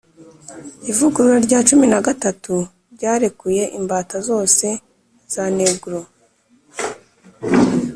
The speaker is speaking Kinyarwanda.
ivugurura rya cumi na gatatu ryarekuye imbata zose za negro.